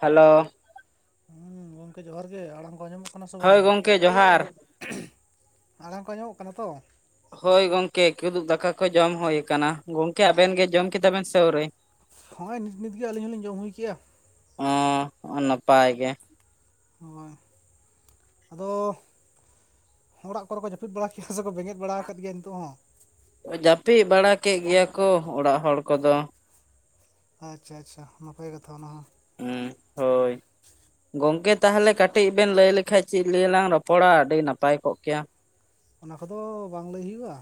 Hello. ᱦᱩᱸ ᱜᱚᱢᱠᱮ ᱡᱚᱸᱦᱟᱨ ᱜᱮ, ᱟᱲᱟᱝ ᱠᱚ ᱟᱸᱡᱚᱢᱚᱜ ᱠᱟᱱᱟ ᱥᱮ ᱦᱳᱭ ᱵᱟᱝᱟ? ᱜᱚᱢᱠᱮ ᱡᱚᱦᱟᱨ ᱟᱲᱟᱝ ᱠᱚ ᱟᱸᱡᱚᱢᱚᱜ ᱠᱟᱱᱟ ᱛᱚ? ᱦᱳᱭ ᱜᱚᱝᱠᱮ ᱠᱤᱫᱩᱵ ᱫᱟᱠᱟ ᱠᱚ ᱡᱚᱢ ᱦᱳᱭ ᱠᱟᱱᱟ, ᱜᱚᱢᱠᱮ ᱟᱵᱮᱱ ᱜᱮ ᱡᱚᱢ ᱠᱮᱫᱟ ᱵᱮᱱ ᱥᱮ ᱟᱹᱣᱨᱤ? ᱦᱚᱸᱜᱼᱚᱭ ᱱᱤᱛ ᱱᱤᱛ ᱜᱮ ᱟᱹᱞᱤᱧ ᱦᱚᱸᱞᱤᱧ ᱡᱚᱢ ᱦᱩᱭ ᱠᱮᱜᱼᱟ᱾ ᱚᱸᱻ ᱚ ᱱᱟᱯᱟᱭ ᱜᱮ᱾ ᱦᱳᱭ ᱟᱫᱚ ᱚᱲᱟᱜ ᱠᱚᱨᱮ ᱠᱚ ᱡᱟᱹᱯᱤᱫ ᱵᱟᱲᱟ ᱠᱮᱜᱼᱟ ᱥᱮᱠᱚ ᱵᱮᱸᱜᱮᱫ ᱵᱟᱲᱟᱣ ᱟᱠᱟᱫ ᱜᱮᱭᱟ ᱱᱤᱛᱚᱜ ᱦᱚᱸ? ᱚ ᱡᱟᱹᱯᱤᱫ ᱵᱟᱲᱟ ᱠᱮᱜ ᱜᱮᱭᱟ ᱠᱚ ᱚᱲᱟᱜ ᱦᱚᱲ ᱠᱚᱫᱚ᱾ ᱟᱪ-ᱪᱷᱟ ᱟᱪᱷᱟ ᱱᱟᱯᱟᱭ ᱠᱟᱛᱷᱟ ᱚᱱᱟ ᱦᱚᱸ᱾ ᱦᱩᱸ ᱦᱳᱭ᱾ ᱜᱚᱝᱠᱮ ᱛᱟᱦᱞᱮ ᱠᱟᱴᱤᱡ ᱵᱮᱱ ᱞᱟᱹᱭ ᱞᱮᱠᱷᱟᱡ ᱪᱮᱫ ᱞᱤᱭᱮ ᱞᱟᱝ ᱨᱚᱯᱚᱲᱟ ᱟᱰᱤ ᱱᱟᱯᱟᱭ ᱠᱚᱜ ᱠᱮᱭᱟ᱾ ᱚᱱᱟ ᱠᱚᱫᱚ ᱵᱟᱝ ᱞᱟᱹᱭ ᱦᱩᱭᱩᱜ-ᱟ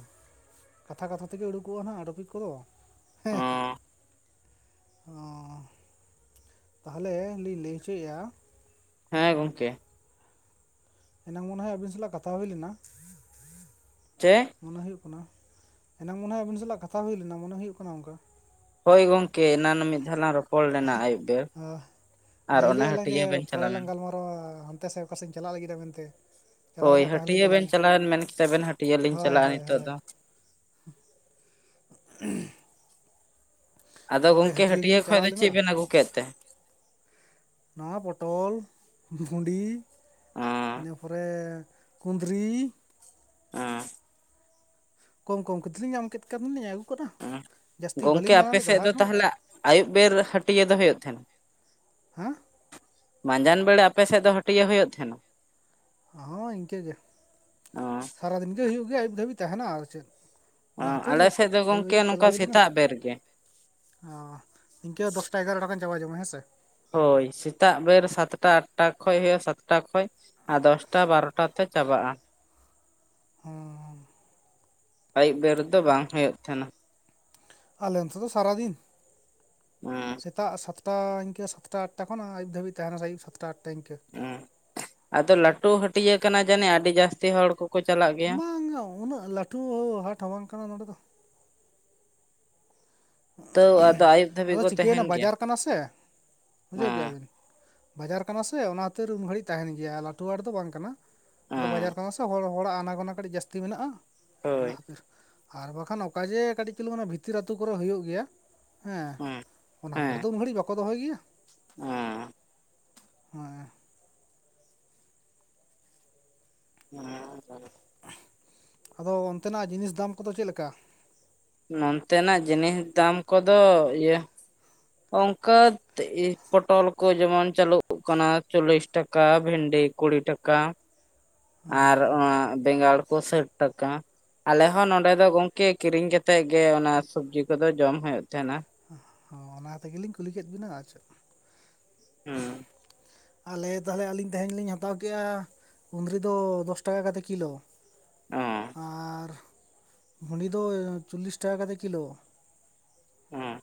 ᱠᱟᱛᱷᱟ ᱠᱟᱛᱷᱟ ᱛᱮᱜᱮ ᱩᱰᱩᱠᱚᱜ-ᱟ ᱱᱷᱟᱜ ᱴᱚᱯᱤᱠ ᱠᱚᱫᱚ᱾ ᱚ ᱦᱮᱸ᱾ ᱚᱻ ᱛᱟᱦᱞᱮ ᱞᱤᱧ ᱞᱟᱹᱭ ᱦᱚᱪᱚᱭᱮᱜᱼᱟ᱾ ᱦᱮᱸ ᱜᱚᱢᱠᱮ᱾ ᱮᱱᱟᱝ ᱢᱚᱱᱮ ᱦᱚᱭ ᱟᱹᱵᱤᱱ ᱥᱟᱞᱟᱜ ᱠᱟᱛᱷᱟ ᱦᱩᱭ ᱞᱮᱱᱟ᱾ ᱪᱮᱜ᱾ ᱢᱚᱱᱮ ᱦᱩᱭᱩᱜ ᱠᱟᱱᱟ ᱮᱱᱟᱝ ᱢᱚᱱᱮ ᱦᱚᱭ ᱟᱵᱤᱱ ᱥᱟᱞᱟᱜ ᱠᱟᱛᱷᱟ ᱦᱩᱭ ᱞᱮᱱᱟ ᱢᱚᱱᱮ ᱦᱩᱭᱩᱜ ᱠᱟᱱᱟ ᱚᱱᱠᱟ᱾ ᱦᱳᱭ ᱜᱚᱢᱠᱮ ᱮᱱᱟᱱᱚᱜ ᱢᱤᱫ ᱫᱷᱟᱣᱞᱟᱝ ᱨᱚ ᱟᱨ ᱞᱟᱹᱭ ᱚᱱᱮ ᱞᱮᱜ-ᱟ ᱞᱟᱝ ᱡᱮ ᱦᱟᱹᱴᱭᱟᱹ ᱵᱮᱱ ᱯᱚᱨᱮ ᱞᱟᱝ ᱪᱟᱞᱟᱣᱮᱱ ᱜᱟᱞᱢᱟ ᱨᱟᱣ-ᱟ ᱦᱟᱱᱛᱮ ᱥᱮ ᱚᱠᱟᱥᱮᱧ ᱪᱟᱞᱟᱜ ᱞᱟᱹᱜᱤᱫᱟ ᱢᱮᱱᱛᱮ᱾ ᱪᱟᱞᱟᱣ ᱦᱳᱭ ᱨᱮᱭᱟᱜ ᱛᱟᱦᱮᱸ ᱞᱮᱱ ᱦᱟᱹᱴᱤᱭᱟᱹ ᱵᱮᱱ ᱛᱟᱹᱞᱤᱧᱟ ᱪᱟᱞᱟᱣᱮᱱ ᱢᱮᱱ ᱠᱮᱫᱟᱵᱮᱱ ᱦᱟᱹᱴᱤᱭᱟᱹ ᱞᱤᱧ ᱦᱳᱭ ᱪᱟᱞᱟᱜᱼᱟ ᱦᱳᱭ ᱱᱤᱛᱚᱜ ᱦᱳᱭ ᱫᱚ᱾ [unintelligible] ᱟᱫᱚ ᱦᱳᱭ ᱜᱚᱢᱠᱮ ᱦᱟᱹᱴᱭᱟᱹ ᱦᱟᱹᱴᱤᱭᱟᱹ ᱜᱮᱞᱤᱧ ᱠᱷᱚᱡ ᱪᱟᱞᱟᱣ ᱫᱚ ᱞᱮᱱᱟ ᱪᱮᱜ ᱵᱮᱱ ᱟᱜᱩ ᱠᱮᱫ ᱛᱮ? ᱱᱚᱜ-ᱚ ᱯᱚᱴᱚᱞ ᱵᱷᱩᱸᱰᱤ ᱤᱱᱟᱹ ᱯᱚᱨᱮ᱾ ᱠᱩᱸᱫᱽᱨᱤ᱾ ᱟᱸ᱾ ᱠᱚᱢ ᱠᱚᱢ ᱠᱟᱛᱮᱞᱤᱧ ᱧᱟᱢ ᱠᱮᱫ ᱠᱷᱟᱱ ᱫᱚᱞᱤᱧ ᱟᱜᱩ ᱠᱟᱫᱟ᱾ ᱩᱸ ᱡᱟᱹᱥᱛᱤ ᱜᱚᱢᱠᱮ ᱵᱟᱹᱞᱤᱧ ᱫᱟᱬᱟ ᱟᱯᱮ ᱞᱮᱫᱟ ᱥᱮᱜ ᱦᱟᱴ ᱫᱚ ᱦᱚᱸ ᱛᱟᱦᱞᱮ ᱟᱭᱩᱵ ᱵᱮᱨ ᱦᱟᱴᱤᱭᱟᱹ ᱫᱚ ᱦᱳᱭᱳᱜ ᱛᱟᱦᱮᱱᱟ᱾ ᱦᱮᱸ! ᱢᱟᱸᱡᱟᱱ ᱵᱮᱲᱟ ᱟᱯᱮᱥᱮᱜ ᱫᱚ ᱦᱟᱹᱴᱤᱭᱟᱹ ᱦᱳᱭᱳᱜ ᱛᱟᱦᱮᱱᱟ᱾ ᱦᱚᱸ ᱤᱱᱠᱟᱹᱜᱮ ᱚᱸ ᱥᱟᱨᱟᱫᱤᱱ ᱜᱮ ᱦᱩᱭᱩᱜ ᱜᱮᱭᱟ ᱟᱹᱭᱩᱵ ᱫᱷᱟᱹᱵᱤᱡ ᱛᱟᱦᱮᱱᱟ ᱟᱨ ᱪᱮᱫ᱾ ᱚᱱᱟ ᱚᱸ ᱠᱷᱟᱹᱛᱤᱨ ᱟᱞᱮ ᱥᱮᱫ ᱫᱚ ᱟᱹᱭᱩᱵ ᱜᱚᱢᱠᱮ ᱟᱹᱭᱩᱵ ᱪᱟᱞᱟ ᱱᱚᱝᱠᱟ ᱦᱩᱭ ᱞᱮᱱᱟ᱾ ᱥᱮᱛᱟᱜ ᱵᱮᱨ ᱜᱮ ᱚᱸ ᱤᱱᱠᱟᱹ ᱫᱚᱥᱴᱟ ᱮᱜᱟᱨᱳᱴᱟ ᱜᱟᱱ ᱪᱟᱵᱟ ᱦᱤᱡᱩᱜ ᱢᱮ ᱦᱮᱸ ᱥᱮ᱾ ᱦᱳᱭ ᱥᱮᱛᱟᱜ ᱵᱮᱨ ᱥᱟᱛᱴᱟ ᱟᱴᱴᱟ ᱠᱷᱚᱡ ᱦᱳᱭᱳᱜᱼᱟ ᱥᱟᱛᱴᱟ ᱠᱷᱚᱡ ᱟᱨ ᱫᱚᱥᱴᱟ ᱵᱟᱨᱚᱴᱟ᱾ ᱛᱮ ᱪᱟᱵᱟᱜ-ᱟ᱾ ᱚᱸ᱾ ᱟᱭᱩᱵ ᱵᱮᱨ ᱫᱚ ᱵᱟᱝ ᱦᱳᱭᱳᱜ ᱛᱟᱦᱮᱱᱟ᱾ ᱟᱞᱮ ᱱᱚᱱᱛᱮ ᱫᱚ ᱥᱟᱨᱟᱫᱤᱱ᱾ [unintelligible] ᱥᱮᱛᱟᱜ ᱥᱟᱛᱴᱟ ᱤᱱᱠᱟᱹ ᱥᱟᱛᱴᱟ ᱟᱴᱴᱟ ᱠᱷᱚᱱᱟᱜ ᱟᱹᱭᱩᱵ ᱫᱷᱟᱹᱵᱤᱡ ᱛᱟᱦᱮᱱᱟ ᱟᱹᱭᱩᱵ ᱥᱟᱛᱴᱟ ᱟᱴᱴᱟ ᱤᱱᱠᱟᱹ᱾ ᱩᱸ ᱟᱫᱚ ᱞᱟᱴᱩ ᱦᱟᱹᱴᱤᱭᱟᱹ ᱠᱟᱱᱟ ᱡᱟᱱᱤᱜ ᱟᱰᱤ ᱡᱟᱥᱛᱤ ᱦᱚᱲ ᱠᱩ ᱵᱟᱝ-ᱟ ᱩᱱᱟᱹᱜ ᱞᱟᱴᱷᱩ ᱦᱟᱴ ᱦᱚᱸ ᱵᱟᱝ ᱠᱟᱱᱟ ᱱᱚᱸᱰᱮ ᱫᱚ᱾ ᱛᱟᱹᱣ ᱟᱫᱚ ᱟᱹᱭᱩᱵ ᱫᱷᱟᱹᱵᱤᱡ ᱟᱫᱚ ᱠᱚ ᱪᱤᱠᱟᱹᱭᱱᱟ ᱛᱟᱦᱮᱱ ᱜᱮᱭᱟ ᱵᱟᱡᱟᱨ ᱠᱟᱱᱟ ᱥᱮ ᱵᱩᱡᱷᱟᱹᱣ ᱚᱸ ᱠᱮᱜᱼᱟ ᱵᱤᱱ᱾ ᱵᱟᱡᱟᱨ ᱠᱟᱱᱟ ᱥᱮ ᱚᱱᱟ ᱠᱷᱟᱛᱤᱨ ᱩᱱ ᱜᱷᱟᱹᱲᱤᱡ ᱛᱟᱦᱮᱱ ᱜᱮᱭᱟ ᱞᱟᱴᱩ ᱦᱟᱴ ᱫᱚ ᱵᱟᱝ ᱠᱟᱱᱟ ᱟᱫᱚ ᱚᱸ ᱵᱟᱡᱟᱨ ᱠᱟᱱᱟ ᱥᱮ ᱦᱚᱲ ᱦᱚᱲᱟᱜ ᱟᱱᱟ ᱜᱚᱱᱟ ᱠᱟᱹᱴᱤᱡ ᱡᱟᱹᱥᱛᱤ ᱢᱮᱱᱟᱜᱼᱟ ᱚᱱᱟ ᱦᱳᱭ ᱠᱷᱟᱛᱤᱨ᱾ ᱟᱨ ᱵᱟᱠᱷᱟᱱ ᱚᱠᱟ ᱡᱮ ᱠᱟᱴᱤᱡ ᱪᱩᱞᱩᱝ ᱚᱱᱮ ᱵᱷᱤᱛᱤᱨ ᱟᱛᱩ ᱠᱚᱨᱮ ᱦᱳᱭᱳᱜ ᱜᱮᱭᱟ ᱦᱮᱸ᱾ ᱦᱩᱸ᱾ ᱚᱱᱟ ᱠᱚᱨᱮ ᱫᱚ ᱩᱱ ᱜᱷᱟᱲᱤᱡ ᱵᱟᱠᱚ ᱫᱚᱦᱚᱭ ᱜᱮᱭᱟ᱾ ᱩᱻ᱾ ᱦᱚᱸᱜ-ᱮᱻ᱾ [unintelligible] ᱟᱫᱚ ᱚᱱᱛᱮᱱᱟᱜ ᱡᱤᱱᱤᱥ ᱫᱟᱢ ᱠᱚᱫᱚ ᱪᱮᱜ ᱞᱮᱠᱟ? ᱱᱚᱱᱛᱮᱱᱟᱜ ᱡᱤᱱᱤᱥ ᱫᱟᱢ ᱠᱚᱫᱚ ᱤᱭᱟᱹ ᱚᱱᱠᱟ ᱯᱚᱴᱚᱞ ᱠᱚ ᱡᱮᱢᱚᱱ ᱪᱟᱹᱞᱩᱜ ᱠᱟᱱᱟ ᱪᱚᱞᱞᱤᱥ ᱴᱟᱠᱟ, ᱵᱷᱮᱱᱰᱤ ᱠᱩᱲᱤ ᱴᱟᱠᱟ᱾ [inaudible] ᱟᱨ ᱚᱸ ᱵᱮᱸᱜᱟᱲ ᱠᱚ ᱥᱟᱹᱴ ᱴᱟᱠᱟ ᱟᱞᱮᱦᱚᱸ ᱱᱚᱰᱮ ᱫᱚ ᱜᱚᱝᱠᱮ ᱠᱤᱨᱤᱧ ᱠᱟᱛᱮᱜ ᱜᱮ ᱚᱱᱟ ᱥᱩᱵᱽᱡᱤ ᱠᱚᱫᱚ ᱡᱚᱢ ᱦᱳᱭᱳᱜ ᱛᱟᱦᱮᱸᱱᱟ᱾ ᱦᱚᱸ ᱚᱱᱟ ᱛᱮᱜᱮᱞᱤᱧ ᱠᱩᱞᱤ ᱠᱮᱫ ᱵᱤᱱᱟ ᱟᱨᱪᱮᱫ᱾ ᱦᱩᱸ᱾ ᱟᱞᱮ ᱛᱟᱦᱞᱮ ᱟᱹᱞᱤᱧ ᱛᱮᱦᱤᱧ ᱞᱤᱧ ᱦᱟᱛᱟᱣ ᱠᱮᱜᱼᱟ ᱠᱩᱸᱫᱽᱨᱤ ᱫᱚ ᱫᱚᱥ ᱴᱟᱠᱟ ᱠᱟᱛᱮ ᱠᱤᱞᱳ᱾ ᱚ ᱟᱨ ᱵᱷᱩᱸᱰᱤ ᱫᱚ ᱪᱚᱞᱞᱤᱥ ᱴᱟᱠᱟ ᱠᱟᱛᱮ ᱠᱤᱞᱳ᱾ ᱦᱮᱸ᱾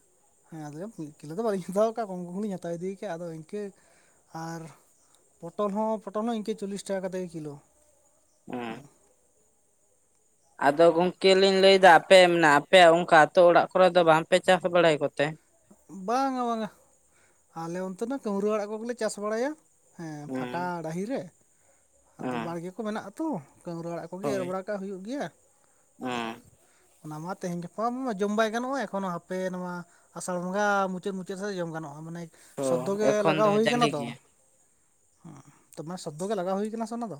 ᱦᱮᱸ ᱟᱫᱚ ᱢᱤᱫ ᱠᱤᱞᱳ ᱫᱚ ᱵᱟᱹᱞᱤᱧ ᱦᱟᱛᱟᱣ ᱠᱟᱜᱼᱟ ᱠᱚᱢ ᱠᱚᱢ ᱞᱤᱧ ᱦᱟᱛᱟᱣ ᱤᱫᱤᱭ ᱠᱟᱜᱼᱟ ᱟᱫᱚ ᱤᱱᱠᱟᱹ ᱟᱨ ᱯᱚᱴᱚᱞ ᱦᱚᱸ ᱯᱚᱴᱚᱞ ᱦᱚᱸ ᱤᱝᱠᱟᱹ ᱪᱚᱞᱞᱤᱥ ᱴᱟᱠᱟ ᱠᱟᱛᱮ ᱜᱮ ᱠᱤᱞᱳ᱾ ᱚᱸ᱾ ᱟᱫᱚ ᱜᱚᱝᱠᱮ ᱞᱤᱧ ᱞᱟᱹᱭᱫᱟ ᱟᱯᱮ ᱢᱟᱱᱮ ᱟᱯᱮᱭᱟᱜ ᱚᱝᱠᱟ ᱟᱹᱛᱳ ᱚᱲᱟᱜ ᱠᱚᱨᱮ ᱫᱚ ᱵᱟᱝᱯᱮ ᱪᱟᱥ ᱵᱟᱲᱟᱭ ᱠᱚᱛᱮ? ᱵᱟᱝᱟ ᱵᱟᱝᱟ ᱟᱞᱮ ᱚᱱᱛᱮᱱᱟ ᱠᱟᱹᱣᱨᱟᱹ ᱟᱲᱟᱜ ᱠᱚᱜᱮᱞᱮ ᱪᱟᱥ ᱵᱟᱲᱟᱭᱟ᱾ ᱦᱮᱸ ᱯᱷᱟᱠᱟ ᱰᱟᱹᱦᱤᱨ ᱨᱮ ᱟᱫᱚ ᱦᱮᱸ ᱵᱟᱲᱜᱮ ᱠᱚ ᱢᱮᱱᱟᱜᱼᱟ ᱛᱚ ᱠᱟᱹᱣᱨᱟ ᱟᱲᱟᱜ ᱠᱚᱜᱮ ᱮᱨ ᱵᱟᱲᱟ ᱠᱟᱜ ᱦᱩᱭᱩᱜ ᱜᱮᱭᱟ᱾ ᱚᱸ᱾ ᱚᱱᱟ ᱢᱟ ᱛᱮᱦᱮᱧ ᱜᱟᱯᱟ ᱢᱟ ᱡᱚᱢ ᱵᱟᱭ ᱜᱟᱱᱚᱜᱼᱟ ᱮᱠᱷᱚᱱᱚ ᱦᱟᱯᱮ ᱱᱚᱣᱟ ᱟᱥᱟᱲ ᱵᱚᱸᱜᱟ ᱢᱩᱪᱟᱹᱫ ᱢᱩᱪᱟᱹᱫ ᱥᱮᱜ ᱡᱚᱢ ᱜᱟᱱᱚᱜᱼᱟ ᱢᱟᱱᱮ ᱚ ᱥᱚᱫᱽᱫᱚ ᱜᱮ ᱮᱠᱷᱚᱱ ᱞᱟᱜᱟᱣ ᱫᱚ ᱦᱩᱭ ᱡᱟᱞᱮ ᱠᱟᱱᱟ ᱛᱚ᱾ ᱜᱮᱭᱟ ᱦᱩᱸ ᱛᱚᱢᱟ ᱥᱚᱫᱽᱫᱚ ᱜᱮ ᱞᱟᱜᱟᱣ ᱦᱩᱭ ᱠᱟᱱᱟ ᱥᱮ ᱚᱱᱟ ᱫᱚ,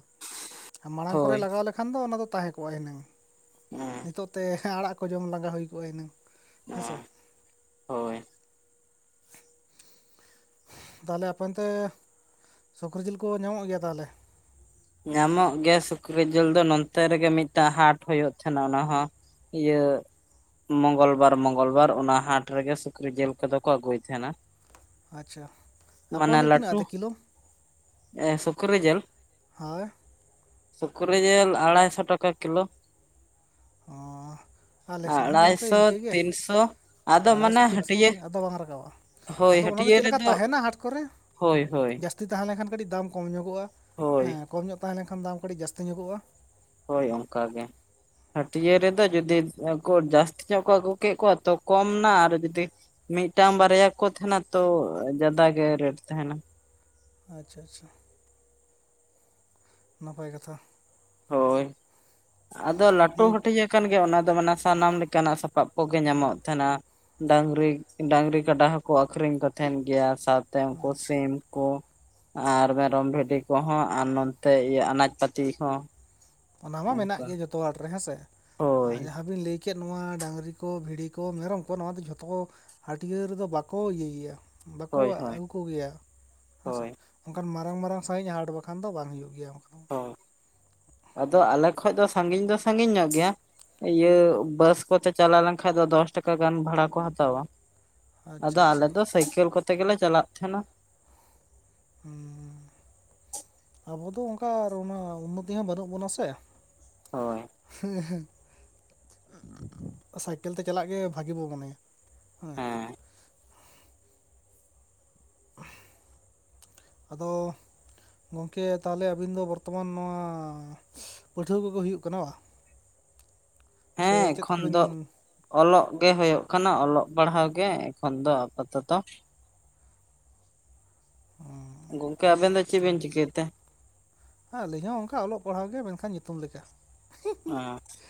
ᱟ ᱢᱟᱲᱟᱝ ᱠᱚᱨᱮ ᱦᱳᱭ ᱞᱟᱜᱟᱣ ᱞᱮᱠᱷ ᱠᱷᱟᱱ ᱫᱚ ᱚᱱᱟ ᱫᱚ ᱛᱟᱦᱮᱸ ᱠᱚᱜᱼᱟ ᱦᱤᱱᱟᱹᱝ, ᱱᱤᱛᱚᱜ ᱛᱮ ᱟᱲᱟᱜ ᱠᱚ ᱡᱚᱢ ᱞᱟᱜᱟ ᱦᱩᱭ ᱠᱚᱜᱼᱟ ᱦᱤᱱᱟᱹᱝ᱾ ᱦᱮᱸ ᱥᱮ? ᱦᱚᱭ᱾ ᱛᱟᱦᱞᱮ ᱟᱯᱮ ᱚᱱᱛᱮ ᱥᱩᱠᱨᱤ ᱡᱤᱞ ᱠᱚ ᱧᱟᱢᱚᱜ ᱜᱮᱭᱟ ᱛᱟᱦᱞᱮ? ᱧᱟᱢᱚᱜ ᱜᱮᱭᱟ ᱥᱩᱠᱨᱤ ᱡᱤᱞ ᱫᱚ ᱱᱚᱱᱛᱮ ᱨᱮᱜᱮ ᱢᱤᱫᱴᱟᱝ ᱦᱟᱴ ᱦᱩᱭᱩᱜ ᱛᱟᱦᱮᱸᱱᱟ ᱚᱱᱟ ᱦᱚᱸ ᱤᱭᱟᱹᱼᱼ ᱢᱚᱜᱚᱞ ᱵᱟᱨ ᱢᱚᱜᱚᱞ ᱵᱟᱨ ᱚᱱᱟ ᱦᱟᱴ ᱨᱮᱜᱮ ᱥᱩᱠᱨᱤ ᱡᱤᱞ ᱠᱚᱫᱚ ᱠᱚ ᱟᱹᱜᱩᱭ ᱛᱟᱦᱮᱱᱟ᱾ ᱟᱪᱪᱷᱟ ᱟᱯᱮ ᱢᱟᱱᱮ ᱚᱱᱛᱮ ᱛᱤᱱᱟᱹᱜ ᱞᱟᱹᱴᱩ ᱠᱟᱛᱮ ᱠᱤᱞᱳ ᱮ ᱥᱩᱠᱨᱤ ᱡᱮᱞ ᱦᱳᱭ᱾ ᱥᱩᱠᱨᱤ ᱡᱤᱞ ᱟᱲᱟᱭ ᱥᱚ ᱴᱟᱠᱟ ᱠᱤᱞᱳ᱾ ᱚᱸ᱾ ᱟᱞᱮᱥᱮᱫ ᱦᱚᱸ ᱜᱚᱝᱠᱮ ᱟᱲᱟᱭᱥᱚ ᱤᱝᱠᱟᱹᱜᱮ, ᱛᱤᱱᱥᱚ ᱟᱫᱚ ᱢᱟᱱᱮ ᱟᱲᱟᱭᱥᱚ ᱛᱤᱱᱥᱚ ᱦᱟᱹᱴᱭᱟᱹ ᱟᱫᱚ ᱵᱟᱝ ᱨᱟᱠᱟᱵᱼᱟ᱾ ᱟᱫᱚ ᱚᱱᱟ ᱫᱚ ᱪᱮᱫ ᱞᱮᱠᱟ ᱛᱟᱦᱮᱱᱟ ᱦᱟᱴ ᱠᱚᱨᱮ? ᱦᱚᱭ ᱦᱚᱭ᱾ ᱡᱟᱹᱥᱛᱤ ᱛᱟᱦᱮᱸ ᱞᱮᱱᱠᱷᱟᱱ ᱠᱟᱹᱴᱤᱡ ᱫᱟᱢ ᱠᱚᱢ ᱧᱚᱜᱚᱜᱼᱟ, ᱦᱮᱸ ᱠᱚᱢ ᱧᱚᱜ ᱛᱟᱦᱮᱸ ᱞᱮᱱᱠᱷᱟᱱ ᱫᱟᱢ ᱠᱟᱹᱴᱤᱡ ᱡᱟᱹᱥᱛᱤ ᱧᱚᱜᱚᱜᱼᱟ᱾ ᱦᱳᱭ ᱚᱝᱠᱟ ᱜᱮ, ᱦᱟᱹᱴᱤᱭᱟᱹ ᱨᱮᱫᱚ ᱡᱩᱫᱤ ᱮ ᱠᱚ ᱡᱟᱹᱥᱛᱤ ᱧᱚᱜ ᱠᱚ ᱟᱹᱜᱩ ᱠᱮᱜ ᱠᱚᱣᱟ ᱛᱚ ᱠᱚᱢ ᱱᱟ ᱟᱨ ᱡᱩᱫᱤ ᱢᱤᱫᱴᱟᱝ ᱵᱟᱨᱭᱟ ᱠᱚ ᱛᱟᱦᱮᱱᱟ ᱛᱚ ᱡᱟᱫᱟ ᱜᱮ ᱨᱮᱴ ᱛᱟᱦᱮᱱᱟ᱾ ᱟᱪᱪᱷᱟ ᱟᱪᱪᱷᱟ᱾ ᱱᱟᱯᱟᱭ ᱠᱟᱛᱷᱟ᱾ ᱦᱚᱭ ᱟᱫᱚ ᱞᱟᱴᱩ ᱫᱤᱭᱮ ᱦᱟᱹᱴᱤᱡ ᱮ ᱠᱟᱱ ᱜᱮ ᱚᱱᱟ ᱫᱚ ᱢᱟᱱᱮ ᱥᱟᱱᱟᱢ ᱞᱮᱠᱟᱱᱟᱜ ᱥᱟᱯᱟᱵ ᱠᱚᱜᱮ ᱧᱟᱢᱚᱜ ᱛᱟᱦᱮᱱᱟ᱾ ᱰᱟᱝᱨᱤ, ᱰᱟᱝᱨᱤ ᱠᱟᱰᱟ ᱦᱚᱸ ᱠᱚ ᱟᱹᱠᱷᱨᱤᱧ ᱠᱚ ᱛᱟᱦᱮᱱ ᱜᱮᱭᱟ ᱥᱟᱣ [unintelligible] ᱟᱪᱪᱷᱟ ᱥᱤᱢ ᱠᱚ, ᱟᱨ ᱢᱮᱨᱚᱢ ᱵᱷᱤᱰᱤ ᱠᱚᱦᱚᱸ ᱟᱨ ᱱᱚᱱᱛᱮ ᱤᱭᱟᱹ ᱟᱱᱟᱡ ᱯᱟᱹᱛᱤ ᱦᱚᱸ᱾ ᱚᱱᱟ ᱢᱟ ᱢᱮᱱᱟᱜ ᱚᱱᱠᱟ ᱜᱮᱭᱟ ᱡᱚᱛᱚ ᱦᱟᱴ ᱨᱮ ᱦᱮᱸᱥᱮ ᱦᱳᱭ ᱟᱨ ᱡᱟᱦᱟᱸ ᱵᱤᱱ ᱞᱟᱹᱭ ᱪᱮᱫ ᱱᱚᱣᱟ ᱰᱟᱹᱟᱝᱨᱤ ᱠᱚ ᱵᱷᱤᱰᱤ ᱠᱚ ᱢᱮᱨᱚᱢ ᱠᱚ ᱱᱚᱣᱟ ᱫᱚ ᱡᱷᱚᱛᱚ ᱦᱟᱹᱴᱤᱭᱟᱹ ᱨᱮᱫᱚ ᱵᱟᱠᱚ ᱤᱭᱟᱹᱭᱟ? ᱵᱟᱠᱚ ᱦᱳᱭ ᱦᱳᱭ ᱟᱹᱜᱩ ᱠᱚᱜᱮᱭᱟ? ᱦᱮᱸᱥᱮ ᱦᱳᱭ ᱚᱝᱠᱟᱱ ᱢᱟᱨᱟᱝ ᱢᱟᱨᱟᱝ ᱥᱟᱹᱦᱤᱡ ᱦᱟᱴ ᱵᱟᱠᱷᱟᱱ ᱫᱚ ᱵᱟᱝ ᱦᱩᱭᱩᱜ ᱜᱮᱭᱟ᱾ ᱚ ᱟᱫᱚ ᱟᱞᱮ ᱠᱷᱚᱡ ᱫᱚ ᱥᱟᱺᱜᱤᱧ ᱫᱚ ᱥᱟᱺᱜᱤᱧ ᱧᱚᱜ ᱜᱮᱭᱟ᱾ ᱤᱭᱟᱹ ᱵᱟᱥ ᱠᱚᱛᱮ ᱪᱟᱞᱟᱣ ᱞᱮᱱᱠᱟᱱ ᱫᱚ ᱫᱚᱥ ᱴᱟᱠᱟ ᱜᱟᱱ ᱵᱷᱟᱲᱟ ᱠᱚ ᱦᱟᱛᱟᱣᱟ᱾ ᱟᱪᱪᱷᱟ ᱟᱫᱚ ᱟᱪᱪᱷᱟ ᱟᱞᱮ ᱫᱚ ᱥᱟᱭᱠᱮᱞ ᱠᱚᱛᱮ ᱜᱮᱞᱮ ᱪᱟᱞᱟᱜ ᱛᱟᱦᱮᱱᱟ᱾ ᱦᱩᱸ ᱟᱵᱚ ᱫᱚ ᱚᱝᱠᱟ ᱟᱨ ᱩᱱᱟᱹᱜ ᱩᱱᱱᱚᱛᱤ ᱦᱚᱸ ᱵᱟᱹᱱᱩᱜ ᱵᱚᱱᱟ ᱥᱮ᱾ ᱦᱚᱭ ᱦᱮᱸᱜ ᱦᱮᱸ ᱥᱟᱭᱠᱮᱞ ᱛᱮ ᱪᱟᱞᱟᱜ ᱜᱮ ᱵᱷᱟᱜᱤ ᱵᱚ ᱢᱚᱱᱮᱭᱟ᱾ ᱦᱚᱭ ᱦᱮᱸ [unintelligible] ᱟᱫᱚ ᱜᱚᱝᱠᱮ ᱛᱟᱦᱞᱮ ᱟᱹᱵᱤᱱ ᱫᱚ ᱵᱚᱨᱛᱚᱢᱟᱱ ᱱᱚᱣᱟ ᱯᱟᱹᱴᱷᱩᱣᱟᱹ ᱠᱚᱜᱮ ᱦᱩᱭᱩᱜ ᱠᱟᱱᱟ ᱵᱟᱝ᱾ [inaudible] ᱦᱮᱸ ᱪᱮᱫ ᱮᱠᱷᱚᱱ ᱠᱚᱵᱤᱱ ᱫᱚ ᱚᱞᱚᱜ ᱜᱮ ᱦᱳᱭᱳᱜ ᱠᱟᱱᱟ ᱚᱞᱚᱜ ᱯᱟᱲᱦᱟᱣ ᱜᱮ ᱮᱠᱷᱚᱱ ᱫᱚ ᱟᱯᱟᱛᱚᱛᱚ᱾ ᱜᱚᱝᱠᱮ ᱟᱵᱮᱱ ᱫᱚ ᱪᱮᱜ ᱵᱤᱱ ᱪᱤᱠᱟᱹᱭ ᱛᱮ? ᱟᱹᱞᱤᱧ ᱦᱚᱸ ᱚᱱᱠᱟ ᱚᱞᱚᱜ ᱯᱟᱲᱦᱟᱣ ᱜᱮ ᱢᱮᱱᱠᱷᱟᱱ ᱧᱩᱛᱩᱢ ᱞᱮᱠᱟ᱾ [inaudible]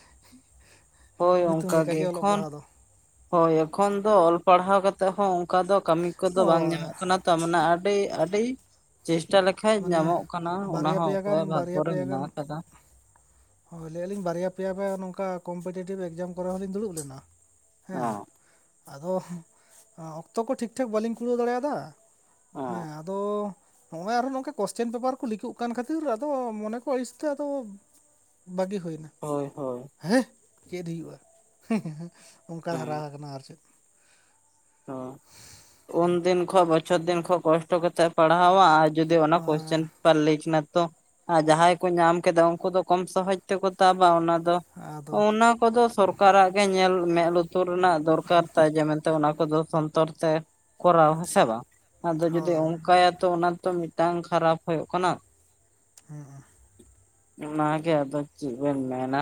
ᱦᱳᱭ ᱧᱩᱛᱩᱢ ᱚᱝᱠᱟ ᱜᱮ ᱞᱮᱠᱟᱜᱮ ᱚᱞᱚᱜ ᱮᱠᱷᱚᱱ ᱯᱟᱲᱦᱟᱣ ᱫᱚ ᱦᱚᱭ ᱮᱠᱷᱚᱱ ᱫᱚ ᱚᱞ ᱯᱟᱲᱦᱟᱣ ᱠᱟᱛᱮᱜ ᱦᱚᱸ ᱚᱱᱠᱟ ᱫᱚ ᱠᱟᱹᱢᱤ ᱠᱚᱫᱚ ᱵᱟᱝ ᱦᱳᱭ ᱧᱟᱢᱚᱜ ᱠᱟᱱᱟ ᱛᱚ ᱢᱟᱱᱮ ᱟᱹᱰᱤ ᱟᱹᱰᱤ ᱪᱤᱥᱴᱟ ᱞᱮᱠᱷᱟᱡ ᱢᱟᱱᱮ ᱧᱟᱢᱚᱜ ᱠᱟᱱᱟ ᱚᱱᱟ ᱵᱟᱨᱭᱟ ᱦᱚᱸ ᱯᱮᱭᱟ ᱜᱟᱱ ᱚᱠᱚᱭᱟᱜ ᱵᱷᱟᱜᱽᱜᱚ ᱵᱟᱨᱭᱟ ᱨᱮ ᱯᱮᱭᱟ ᱢᱤᱱᱟᱜ ᱜᱟᱱ ᱟᱠᱟᱫᱟ᱾ ᱦᱳᱭ ᱞᱟᱹᱭᱮᱜᱼᱟᱞᱤᱧ ᱵᱟᱨᱭᱟ ᱯᱮᱭᱟ ᱯᱮ ᱵᱟᱝ ᱱᱚᱝᱠᱟ ᱠᱚᱢᱯᱮᱴᱮᱴᱤᱵᱽ ᱤᱠᱡᱟᱢ ᱠᱚᱨᱮ ᱦᱚᱸᱞᱤᱧ ᱫᱩᱲᱩᱵ ᱞᱮᱱᱟ᱾ ᱦᱮᱸ ᱚ ᱟᱫᱚ ᱚᱠᱛᱚ ᱠᱚ ᱴᱷᱤᱠ ᱴᱷᱟᱠ ᱵᱟᱹᱞᱤᱧ ᱠᱩᱲᱟᱹᱣ ᱫᱟᱲᱮᱭᱟᱫᱟ᱾ ᱦᱮᱸ ᱚ ᱟᱫᱚ ᱦᱸᱚᱜᱼᱚᱭ ᱟᱨᱦᱚᱸ ᱱᱚ ᱠᱚᱥᱪᱮᱱ ᱯᱮᱯᱟᱨ ᱠᱚ ᱞᱤᱠᱚᱜ ᱠᱟᱱ ᱠᱷᱟᱹᱛᱤᱨ ᱟᱫᱚ ᱢᱚᱱᱮ ᱠᱚ ᱟᱹᱲᱤᱥ ᱛᱮ ᱟᱫᱚ ᱵᱟᱜᱤ ᱦᱩᱭᱱᱟ᱾ ᱦᱳᱭ ᱦᱳᱭ᱾ ᱦᱮᱸ ᱪᱮᱫ ᱦᱩᱭᱩᱜᱼᱟ [inaudible] ᱚᱱᱠᱟ ᱫᱷᱟᱨᱟ ᱠᱟᱱᱟ ᱟᱨ ᱪᱮᱫ᱾ ᱚ ᱩᱱᱫᱤᱱ ᱠᱷᱚᱡ ᱵᱚᱪᱷᱚᱨ ᱫᱤᱱ ᱠᱷᱚᱡ ᱠᱚᱥᱴᱚ ᱠᱟᱛᱮᱜ ᱯᱟᱲᱦᱟᱣᱟ ᱟᱨ ᱡᱩᱫᱤ ᱚᱱᱟ ᱠᱚᱥᱪᱮᱱ ᱦᱳᱭ ᱯᱮᱯᱟᱨᱞᱤᱠ ᱱᱟ ᱛᱚ ᱟᱨ ᱡᱟᱦᱟᱸᱭ ᱠᱚ ᱧᱟᱢ ᱠᱮᱫᱟ ᱩᱱᱠᱩ ᱫᱚ ᱠᱚᱢ ᱥᱚᱦᱚᱡ ᱛᱮᱠᱚ ᱛᱟᱵᱟ ᱚᱱᱟ ᱫᱚ᱾ ᱟᱫᱚ ᱚᱱᱟ ᱠᱚᱫᱚ ᱥᱚᱨᱠᱟᱨᱟᱜ ᱜᱮ ᱧᱮᱞ ᱢᱮᱸᱫ ᱞᱩᱛᱩᱨ ᱨᱮᱱᱟᱜ ᱫᱚᱨᱠᱟᱨ ᱛᱟᱭ ᱡᱮ ᱢᱮᱱᱛᱮ ᱚᱱᱟ ᱠᱚ ᱥᱚᱱᱛᱚᱨ ᱛᱮ ᱠᱚᱨᱟᱣ ᱦᱮᱸ ᱥᱮ ᱵᱟᱝ ᱟᱫᱚ ᱡᱩᱫᱤ ᱦᱳᱭ ᱚᱱᱠᱟᱭᱟ ᱛᱚ ᱚᱱᱟ ᱛᱚ ᱢᱤᱫᱴᱟᱝ ᱠᱷᱟᱨᱟᱯ ᱦᱳᱭᱳᱜ ᱠᱟᱱᱟ᱾ [inaudible] ᱚᱱᱟ ᱜᱮ ᱟᱫᱚ ᱪᱤᱫ ᱵᱤᱱ ᱢᱮᱱᱟ,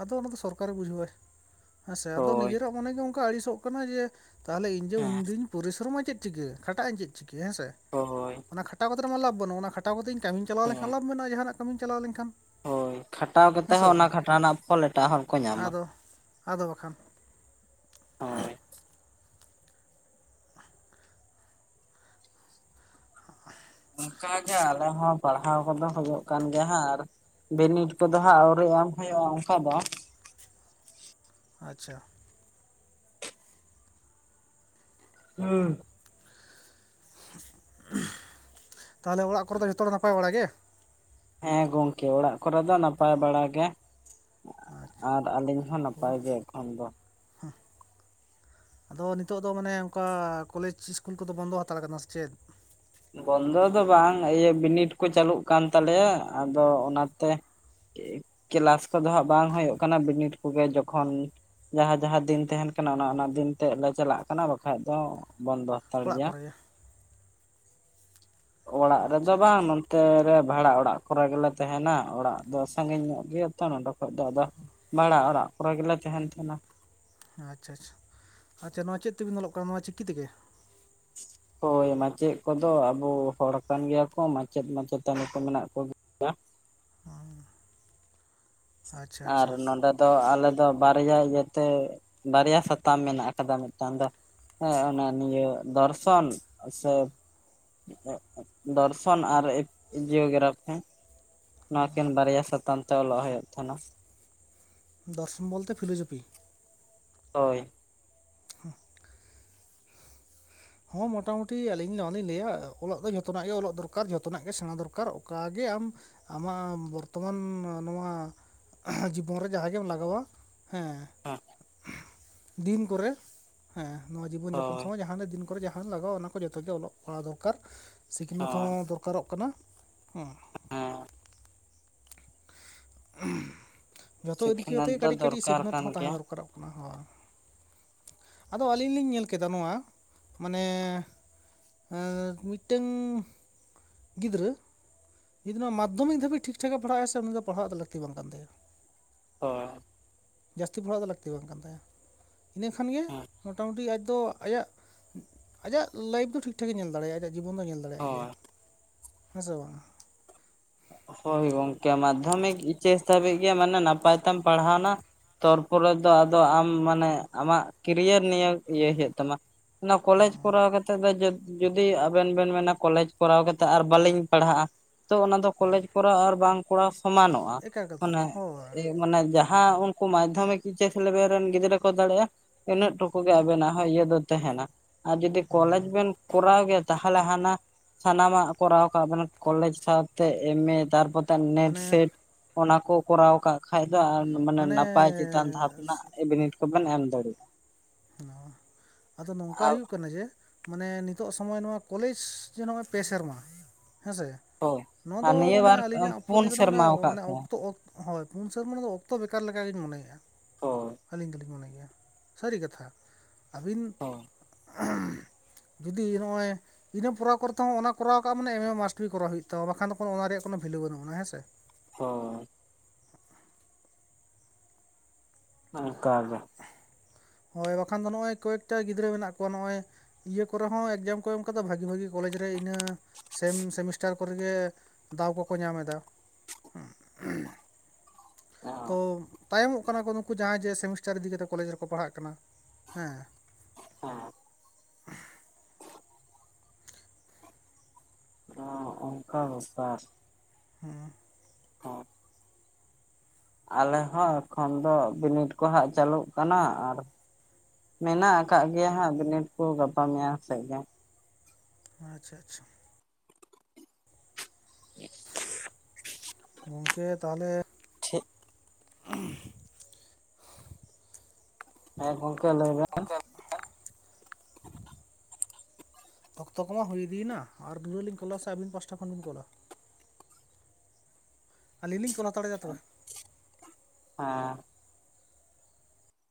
ᱟᱫᱚ ᱚᱱᱟ ᱫᱚ ᱥᱚᱨᱠᱟᱨ ᱮ ᱵᱩᱡᱷᱟᱹᱣᱟᱭ ᱦᱮᱸᱥᱮ ᱟᱫᱚ ᱦᱳᱭ ᱱᱤᱡᱮᱨᱟᱜ ᱢᱚᱱᱮ ᱜᱮ ᱚᱱᱠᱟ ᱟᱹᱲᱤᱥᱚᱜ ᱠᱟᱱᱟ ᱡᱮ ᱛᱟᱦᱞᱮ ᱤᱧ ᱡᱮ ᱦᱮᱸ ᱩᱱᱫᱤᱱ ᱯᱚᱨᱤᱥᱨᱚᱢᱟ ᱪᱮᱫ ᱪᱤᱠᱟᱹ ᱠᱷᱟᱴᱟᱜ ᱟᱹᱧ ᱪᱮᱫ ᱪᱤᱠᱟᱹ ᱦᱮᱸ ᱥᱮ ᱦᱚᱭ ᱚᱱᱟ ᱠᱷᱟᱴᱟᱣ ᱠᱟᱛᱮ ᱢᱟ ᱞᱟᱵᱷ ᱵᱟᱹᱱᱩᱜ ᱚᱱᱟ ᱠᱷᱟᱴᱟᱣ ᱠᱟᱛᱮ ᱤᱧ ᱠᱟᱹᱢᱤᱧ ᱪᱟᱞᱟᱣ ᱞᱮᱱᱠᱷᱟᱱ ᱞᱟᱵᱷ ᱢᱮᱱᱟᱜᱼᱟ ᱡᱟᱦᱟᱸᱱᱟᱜ ᱠᱟᱹᱢᱤᱢ ᱪᱟᱞᱟᱣ ᱞᱮᱱᱠᱷᱟᱱ᱾ ᱦᱚᱭ ᱠᱷᱟᱴᱟᱣ ᱠᱟᱛᱮ ᱦᱮᱸ ᱥᱮ ᱦᱚᱸ ᱵᱟᱝ ᱚᱱᱟ ᱠᱷᱟᱴᱟᱣ ᱨᱮᱱᱟᱜ ᱯᱷᱚᱞ ᱮᱴᱟᱜ ᱦᱚᱲᱼᱼ ᱟᱫᱚ, ᱟᱫᱚ ᱵᱟᱠᱷᱟᱱᱼᱼ ᱦᱚᱭ ᱾ [inaudible] [inaudible] ᱚᱱᱠᱟᱜᱮ ᱟᱞᱮ ᱦᱚᱸ ᱯᱟᱲᱦᱟᱣ ᱠᱚᱫᱚ ᱦᱳᱭᱳᱜ ᱠᱟᱱ ᱜᱮᱭᱟ ᱦᱟᱸᱜ ᱟᱨᱼᱼ ᱵᱤᱱᱤᱰ ᱠᱚᱫᱚ ᱦᱟᱸᱜ ᱟᱹᱣᱨᱤ ᱮᱢ ᱦᱩᱭᱩᱜᱼᱟ ᱚᱱᱠᱟ ᱫᱚ ᱾ ᱟᱪᱪᱷᱟ ᱾ ᱦᱩᱸ [inaudible] ᱛᱟᱦᱚᱞᱮ ᱚᱲᱟᱜ ᱠᱚᱨᱮ ᱫᱚ ᱡᱚᱛᱚ ᱫᱚ ᱱᱟᱯᱟᱭ ᱵᱟᱲᱟ ᱜᱮ? ᱦᱮᱸ ᱜᱚᱝᱠᱮ ᱚᱲᱟᱜ ᱠᱚᱨᱮ ᱫᱚ ᱱᱟᱯᱟᱭ ᱵᱟᱲᱟ ᱜᱮ ᱾ ᱟᱪᱪᱷᱟ ᱟᱨ ᱟᱹᱞᱤᱧ ᱦᱚᱸ ᱱᱟᱯᱟᱭ ᱜᱮ ᱮᱠᱷᱚᱱ ᱫᱚ ᱾ [unintelligible] ᱟᱫᱚ ᱱᱤᱛᱚᱜ ᱫᱚ ᱢᱟᱱᱮ ᱚᱝᱠᱟ ᱠᱚᱞᱮᱡᱽ ᱤᱥᱠᱩᱞ ᱠᱚᱫᱚ ᱵᱚᱱᱫᱚ ᱦᱟᱛᱟᱲ ᱠᱟᱱᱟ ᱥᱮ ᱪᱮᱫ? ᱵᱚᱱᱫᱚ ᱫᱚ ᱵᱟᱝ ᱤᱭᱟᱹ ᱵᱤᱱᱤᱰ ᱠᱚ ᱪᱟᱹᱞᱩᱜ ᱠᱟᱱ ᱛᱟᱞᱮᱭᱟ ᱟᱫᱚ ᱚᱱᱟᱛᱮᱼᱼ ᱠᱮᱞᱟᱥ ᱠᱚᱫᱚ ᱦᱟᱸᱜ ᱵᱟᱝ ᱦᱳᱭᱳᱜ ᱠᱟᱱᱟ, ᱵᱤᱱᱤᱰ ᱠᱚᱜᱮ ᱡᱚᱠᱷᱚᱱᱼᱼ ᱡᱟᱦᱟᱸ ᱡᱟᱦᱟᱸ ᱫᱤᱱ ᱛᱟᱦᱮᱱ ᱠᱟᱱᱟ ᱚᱱᱟ ᱚᱱᱟ ᱫᱤᱱ ᱛᱮᱫ ᱞᱮ ᱪᱟᱞᱟᱜ ᱠᱟᱱᱟ ᱵᱟᱠᱷᱟᱡ ᱫᱚ ᱵᱚᱱᱫᱚ ᱾ ᱚᱲᱟᱜ ᱠᱚᱨᱮ ᱜᱮ ᱾ ᱚᱲᱟᱜ ᱨᱮᱫᱚ ᱟᱪᱪᱷᱟ ᱟᱪᱪᱷᱟ ᱵᱟᱝ ᱱᱚᱼᱼ ᱛᱮ ᱨᱮ ᱵᱷᱟᱲᱟ ᱚᱲᱟᱜ ᱠᱚᱨᱮ ᱜᱮᱞᱮ ᱛᱟᱦᱮᱱᱟ, ᱚᱲᱟᱜ ᱫᱚ ᱥᱟᱺᱜᱤᱧ ᱧᱚᱜ ᱜᱮᱭᱟ ᱛᱚ ᱱᱚᱰᱮᱼᱼ ᱟᱫᱚ, ᱟᱫᱚ ᱵᱷᱟᱲᱟ ᱚᱲᱟᱜ ᱠᱚᱨᱮ ᱜᱮᱞᱮ ᱛᱟᱦᱮᱱ ᱛᱟᱦᱮᱸᱱᱟ ᱾ ᱟᱪᱪᱷᱟ [inaudible] ᱟᱪᱪᱷᱟ ᱟᱪᱪᱷᱟ, ᱱᱚᱣᱟ ᱪᱮᱫ ᱛᱮᱵᱤᱱ ᱚᱞᱚᱜ ᱠᱟᱱᱟ ᱱᱚᱣᱟ ᱪᱤᱠᱤ ᱛᱮᱜᱮ? ᱦᱚᱭ ᱢᱟᱪᱮᱫ ᱠᱚᱫᱚ ᱟᱵᱚ ᱦᱚᱲ ᱠᱟᱱ ᱜᱤᱭᱟ ᱠᱚ, ᱢᱟᱪᱮᱫ ᱢᱟᱪᱮᱛᱟᱹᱱᱤ ᱠᱚ ᱢᱮᱱᱟᱜ ᱠᱚᱜᱮ ᱾ ᱚᱸ ᱾ ᱟᱨ ᱱᱚᱰᱮᱼᱼ ᱫᱚ ᱟᱞᱮ ᱫᱚ ᱵᱟᱨᱭᱟ ᱤᱭᱟᱹ ᱛᱮ, ᱵᱟᱨᱭᱟ ᱥᱟᱛᱟᱢ ᱢᱮᱱᱟᱜ ᱟᱠᱟᱫᱟ ᱢᱤᱫᱴᱟᱝ ᱫᱚᱼᱼ ᱦᱮᱸ, ᱚᱱᱟ ᱱᱤᱭᱟᱹ ᱫᱚᱨᱥᱚᱱ ᱥᱮᱼᱼ ᱫᱚᱨᱥᱚᱱ, ᱟᱨ ᱡᱤᱭᱳᱜᱨᱟᱯᱷᱤ ᱾ ᱱᱚᱣᱟ ᱠᱤᱱ ᱵᱟᱨᱭᱟ ᱥᱟᱛᱟᱢ ᱛᱮ ᱚᱞᱚᱜ ᱦᱩᱭᱩᱜ ᱠᱟᱱᱟ ᱾ ᱫᱚᱨᱥᱚᱱ ᱵᱚᱞᱛᱮ ᱯᱷᱤᱞᱳᱡᱚᱯᱷᱤ ᱾ ᱦᱚᱭ ᱾ ᱦᱩᱸ [unintelligible] ᱦᱚᱸ ᱢᱚᱴᱟᱢᱩᱴᱤ ᱟᱹᱞᱤᱧ ᱱᱚᱣᱟ ᱞᱤᱧ ᱞᱟᱹᱭᱟ, ᱚᱞᱚᱜ ᱫᱚ ᱡᱷᱚᱛᱚ ᱱᱟᱜ ᱜᱮ ᱚᱞᱚᱜ ᱫᱚᱨᱠᱟᱨ, ᱡᱷᱚᱛᱚᱱᱟᱜ ᱜᱮ ᱥᱮᱬᱟ ᱫᱚᱨᱠᱟᱨ ᱾ ᱟᱠᱟ ᱜᱮ ᱟᱢᱼᱼ ᱟᱢᱟᱜ ᱵᱚᱨᱛᱚᱢᱟᱱ ᱱᱚᱣᱟ, ᱡᱤᱵᱚᱱ ᱨᱮ ᱡᱟᱦᱟᱸ ᱜᱮᱢ ᱞᱟᱜᱟᱣᱟ ᱾ ᱦᱮᱸ, ᱫᱤᱱ ᱠᱚᱨᱮ ᱦᱮᱸ ᱱᱚᱣᱟ ᱡᱤᱵᱚᱱ ᱡᱟᱯᱚᱱ ᱦᱳᱭ ᱥᱚᱢᱚᱭ ᱡᱟᱦᱟᱸ ᱫᱤᱱ ᱠᱚᱼᱼ ᱠᱚᱨᱮ ᱡᱟᱦᱟᱸ ᱞᱟᱜᱟᱣᱟ ᱚᱱᱟ ᱠᱚ ᱡᱚᱛᱚ ᱜᱮ ᱚᱞᱚᱜ ᱯᱟᱲᱦᱟᱣ ᱫᱚᱨᱟᱨ ᱾ ᱥᱤᱠᱷᱱᱟᱹᱛ ᱦᱚᱸ ᱦᱳᱭ ᱫᱚᱨᱠᱼᱼ ᱫᱚᱨᱠᱟᱨᱚᱜ ᱠᱟᱱᱟ, ᱦᱮᱸ ᱾ ᱦᱮᱸ ᱾ ᱡᱚᱛᱚ ᱤᱫᱤ ᱥᱤᱠᱷᱱᱟᱹᱛ ᱠᱟᱛᱮ ᱫᱚ ᱠᱟᱹᱴᱤᱡ ᱠᱟᱹᱴᱤᱡ ᱫᱚᱨᱠᱟᱨ ᱥᱤᱠᱷᱱᱟᱹᱛ ᱠᱟᱱ ᱦᱚᱸ ᱜᱮᱭᱟ ᱛᱟᱦᱮᱸ ᱫᱚᱨᱠᱟᱨᱚᱜ ᱠᱟᱱᱟ ᱦᱚᱭ ᱾ ᱟᱫᱚ ᱟᱹᱞᱤᱧ ᱞᱤᱧ ᱧᱮᱞ ᱠᱮᱫᱟ ᱱᱚᱣᱟ ᱢᱟᱱᱮᱼᱼ ᱟᱨ ᱢᱤᱫᱴᱟᱝᱼᱼ ᱜᱤᱫᱽᱨᱟᱹᱼᱼ ᱡᱩᱫᱤ ᱱᱟᱜ ᱢᱟᱫᱷᱤᱠ ᱫᱟᱹᱵᱤᱡ ᱴᱷᱤᱠ ᱴᱷᱟᱠ ᱮ ᱯᱟᱲᱦᱟᱜᱼᱟ ᱥᱮ, ᱩᱱᱤ ᱫᱚ ᱯᱟᱲᱦᱟᱜ ᱞᱟᱹᱠᱛᱤ ᱵᱟᱝ ᱠᱟᱱ ᱛᱟᱭᱟ ᱾ ᱦᱚᱭ ᱾ ᱡᱟᱹᱥᱛᱤ ᱯᱟᱲᱟᱜ ᱫᱚ ᱞᱟᱹᱠᱛᱤ ᱵᱟᱝ ᱠᱟᱱ ᱛᱟᱭᱟ, ᱤᱱᱟᱹ ᱠᱷᱟᱱ ᱜᱮ ᱦᱮᱸ ᱢᱚᱴᱟᱢᱩᱴᱤ ᱟᱡ ᱫᱚ ᱟᱭᱟᱜᱼᱼ ᱟᱡᱟᱜ ᱞᱟᱭᱤᱯᱷ ᱫᱚ ᱴᱷᱤᱠ ᱴᱷᱟᱠᱮ ᱧᱮᱞ ᱫᱟᱲᱮᱭᱟᱜᱼᱟᱭ ᱟᱭᱟᱜ ᱡᱤᱵᱚᱱ ᱫᱚ ᱧᱮᱞ ᱫᱟᱲᱮᱭᱟᱜ ᱜᱮᱭᱟ᱾ ᱦᱳᱭ ᱦᱮᱸ ᱥᱮ ᱵᱟᱝ-ᱟ? ᱦᱳᱭ ᱜᱚᱢᱠᱮ ᱢᱟᱫᱽᱫᱷᱚᱢᱤᱠ ᱮᱭᱤᱪᱮᱥ ᱫᱷᱟᱹᱵᱤᱡ ᱜᱮ ᱢᱟᱱᱮ ᱱᱟᱯᱟᱭ ᱛᱮᱢ ᱯᱟᱲᱦᱟᱣᱱᱟ᱾ ᱛᱟᱨᱯᱚᱨᱮ ᱫᱚ ᱟᱫᱚ ᱟᱢ ᱢᱟᱱᱮ ᱟᱢᱟᱜ ᱠᱮᱨᱤᱭᱟᱹᱨ ᱱᱤᱭᱟᱹ ᱤᱭᱟᱹᱭ ᱦᱳᱭᱳᱜ ᱛᱟᱢᱟ᱾ ᱚᱱᱟ ᱠᱚᱞᱮᱡᱽ ᱠᱚᱨᱟᱣ ᱠᱟᱛᱮ ᱫᱚ ᱡᱟᱹ ᱡᱩᱫᱤ ᱟᱵᱮᱱ ᱵᱮᱱ ᱢᱮᱱᱟ ᱠᱚᱞᱮᱡᱽ ᱠᱚᱨᱟᱣ ᱠᱟᱛᱮᱜ ᱟᱨ ᱵᱟᱞᱤᱧ ᱯᱟᱲᱦᱟᱜᱼᱟ, ᱛᱚ ᱚᱱᱟ ᱫᱚ᱾ ᱠᱚᱞᱮᱡᱽ ᱠᱚᱨᱟᱣ ᱟᱨ ᱵᱟᱝ ᱠᱚᱲᱟᱣ ᱥᱚᱢᱟᱱᱚᱜᱼᱟ, ᱮᱠᱟᱞ ᱠᱟᱛᱷᱟ ᱢᱟᱱᱮ ᱦᱳᱭ ᱮ ᱢᱟᱱᱮ ᱡᱟᱦᱟ ᱩᱱᱠᱩ ᱢᱟᱫᱽᱫᱷᱚᱢᱤᱠ ᱮᱭᱤᱪᱮᱥ ᱞᱮᱵᱮᱞ ᱨᱮᱱ ᱜᱤᱫᱽᱨᱟᱹ ᱠᱚ ᱫᱟᱲᱮᱜᱼᱟ, ᱤᱱᱟᱹᱜ ᱴᱩᱠᱩ ᱜᱮ ᱟᱵᱮᱱᱟᱜ ᱦᱚᱸ ᱤᱭᱟᱹ ᱫᱚ ᱛᱟᱦᱮᱱᱟ ᱟᱨ ᱡᱩᱫᱤ ᱠᱚᱞᱮᱡᱽ ᱦᱮᱸ ᱵᱮᱱ ᱠᱚᱨᱟᱣ ᱜᱮᱭᱟ᱾ ᱛᱟᱦᱚᱞᱮ ᱦᱟᱱᱟ ᱥᱟᱱᱟᱢᱟᱜ ᱠᱚᱨᱟᱣ ᱠᱟᱜ ᱵᱮᱱ ᱠᱚᱞᱮᱡᱽ ᱥᱟᱶᱛᱮ ᱮᱢ. ᱮ. ᱛᱟᱨᱯᱚᱨ᱾ ᱱᱮᱴ ᱢᱟᱱᱮ ᱥᱮᱴ ᱚᱱᱟ ᱠᱚ ᱠᱚᱨᱟᱣ ᱠᱟᱜ ᱠᱷᱟᱡ ᱫᱚ ᱟ ᱢᱟᱱᱮ ᱱᱟᱯᱟᱭ ᱪᱮᱛᱟᱱ ᱫᱷᱟᱯ ᱨᱮᱱᱟᱜ ᱵᱤᱱᱤᱰ ᱠᱚᱵᱮᱱ ᱮᱢ ᱫᱟᱲᱤᱜ-ᱟ ᱾ ᱚ ᱟᱫᱚ ᱱᱚᱝᱠᱟ ᱦᱩᱭᱩᱜ ᱠᱟᱱᱟ ᱡᱮ᱾ ᱢᱟᱱᱮ ᱱᱤᱛᱚᱜ ᱥᱚᱢᱚᱭ ᱱᱚᱣᱟ ᱠᱚᱞᱮᱡᱽ ᱡᱮ ᱱᱚᱜᱼᱚᱭ ᱯᱮ ᱥᱮᱨᱢᱟ ᱦᱮᱸ ᱥᱮ᱾ ᱦᱳᱭ ᱱᱚᱣᱟ ᱫᱚ ᱟᱨ ᱱᱤᱭᱟᱹ ᱢᱟᱱᱮ ᱵᱟᱨ ᱟᱹᱞᱤᱧᱟᱜ ᱯᱩᱱ ᱚᱯᱱᱮ ᱛᱮᱫᱚ ᱥᱮᱨᱢᱟ ᱟᱠᱟᱫ ᱢᱟᱱᱮ ᱠᱚᱣᱟ ᱚᱠᱛᱚ ᱚᱠ ᱦᱳᱭ ᱯᱩᱱ ᱥᱮᱨᱢᱟᱱᱮ ᱫᱚ ᱚᱠᱛᱚ ᱵᱮᱠᱟᱨ ᱞᱮᱠᱟᱜᱤᱧ ᱢᱚᱱᱮᱭᱮᱜᱼᱟ, ᱦᱳᱭ ᱟᱹᱞᱤᱧ ᱫᱚᱞᱤᱧ ᱢᱚᱱᱮ ᱜᱮᱭᱟ ᱥᱟᱹᱨᱤ ᱠᱟᱛ ᱛᱷᱟ ᱟᱵᱤᱱ ᱦᱳᱭ ᱡᱩᱫᱤ ᱱᱚᱜᱼᱚᱭ᱾ ᱤᱱᱟᱹ ᱠᱚᱨᱟᱣ ᱠᱚᱨᱛᱮ ᱦᱚᱸ ᱚᱱᱟ ᱠᱚᱨᱟᱣ ᱠᱟᱜ ᱢᱟᱱᱮ ᱮᱢ. ᱮ. ᱢᱟᱥᱴᱞᱤ ᱜᱮ ᱠᱚᱨᱟᱣ ᱦᱩᱭᱩᱜ ᱛᱟᱢᱟ ᱵᱟᱠᱷᱟᱱ ᱫᱚ ᱠᱚᱱᱚ ᱚᱱᱟ ᱨᱮᱭᱟᱜ ᱠᱚᱱᱚ ᱵᱷᱮᱞᱩ ᱵᱟᱹᱱᱩᱜ ᱟᱱᱟ ᱦᱮᱸ ᱥᱮ᱾ ᱦᱚᱭ᱾ ᱚᱱᱠᱟ ᱜᱮ᱾ ᱦᱳᱭ ᱵᱟᱠᱷᱟᱱ ᱫᱚ ᱱᱚᱜ-ᱚᱭ ᱠᱚᱭᱮᱠᱴᱟ ᱜᱤᱫᱽᱨᱟᱹ ᱢᱮᱱᱟᱜ ᱠᱚᱣᱟ ᱱᱚᱜ-ᱚᱭ᱾ ᱤᱭᱟᱹ ᱠᱚᱨᱮ ᱦᱚᱸ ᱮᱠᱡᱟᱢ ᱠᱚ ᱮᱢ ᱠᱟᱫᱟ ᱵᱷᱟᱜᱤ ᱵᱷᱟᱜᱤ ᱠᱚᱞᱮᱡᱽ ᱨᱮ ᱤᱱᱟᱹ ᱥᱮᱢ ᱥᱮᱢᱤᱥᱴᱟᱨ ᱠᱚᱨᱮ ᱜᱮ᱾ ᱫᱟᱣ ᱠᱚᱠᱚ ᱧᱟᱢ ᱮᱫᱟ ᱦᱩᱸ᱾ ᱛᱚ ᱦᱮᱸ ᱛᱟᱭᱚᱢᱚᱜ ᱠᱟᱱᱟ ᱠᱚ ᱱᱩᱠᱩ ᱡᱟᱸᱦᱟᱭ ᱡᱮ ᱥᱮᱢᱤᱥᱴᱟᱨ ᱤᱫᱤ ᱠᱟᱛᱮ ᱠᱚᱞᱮᱡᱽ ᱨᱮᱠᱚ ᱯᱟᱲᱦᱟᱜ ᱠᱟᱱᱟ ᱦᱮᱸ᱾ ᱦᱮᱸ᱾ ᱚᱸ ᱚᱱᱠᱟ ᱵᱮᱯᱟᱨ᱾ ᱦᱩᱸ᱾ [unintelligible] ᱟᱞᱮ ᱦᱚᱸ ᱮᱠᱷᱚᱱ ᱫᱚ ᱵᱤᱱᱤᱰ ᱠᱚ ᱦᱟᱸᱜ ᱪᱟᱹᱞᱩᱜ ᱠᱟᱱᱟ ᱟᱨ᱾ ᱢᱮᱱᱟᱜ ᱟᱠᱟ ᱜᱮᱭᱟ ᱦᱟᱸᱜ ᱵᱤᱱᱤᱰ ᱠᱚ ᱜᱟᱯᱟ ᱢᱮᱭᱟᱝ ᱥᱮᱜ ᱜᱮ᱾ ᱟᱪ-ᱪᱷᱟ ᱟᱪᱪᱷᱟ᱾ [inaudible] ᱜᱚᱝᱠᱮ ᱛᱟᱦᱚᱞᱮ᱾ ᱴᱷᱤᱠ᱾ ᱦᱮᱸ ᱜᱚᱢᱠᱮ ᱞᱟᱹᱭ ᱵᱮᱱ᱾ ᱚᱠᱛᱚ ᱠᱚᱢᱟ ᱦᱩᱭ ᱤᱫᱤᱭᱮᱱᱟ ᱟᱨ ᱫᱩᱦᱲᱟᱹ ᱞᱤᱧ ᱠᱚᱞᱟ ᱥᱮ ᱟᱹᱵᱤᱱ ᱯᱟᱥᱴᱟ ᱠᱷᱚᱱ ᱵᱤᱱ ᱠᱚᱞᱟ᱾ ᱟᱹᱞᱤᱧ ᱞᱤᱧ ᱠᱳᱞ ᱦᱟᱛᱟᱲᱮᱫᱟ ᱛᱚᱵᱮ᱾ ᱦᱮᱸ᱾